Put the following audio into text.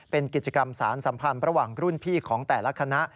เป็นกิจกรรมสารสัมพันธ์ระหว่างรุ่นพี่ของแต่ละคณะ